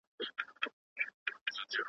کله چې څېړنه عامه شي، نوښت وده کوي.